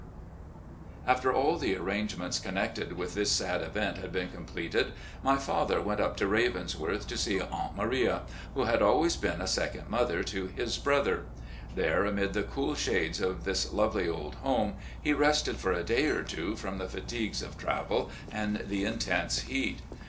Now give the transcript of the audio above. THE NEW HOME IN LEXINGTON 363 After all the arrangements connected with this sad event had been completed, my father went up to " Ravensworth " to see "Aunt Maria," who had always been a second mother to his brother. There, amid the cool shades of this lovely old home, he rested for a day or two from the fatigues of travel and the intense heat.